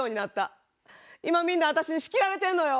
今みんな私に仕切られてんのよ！